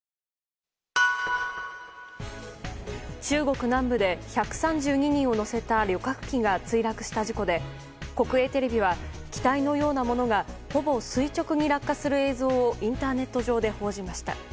中国南部で１３２人を乗せた旅客機が墜落した事故で国営テレビは機体のようなものがほぼ垂直に落下する映像をインターネット上で報じました。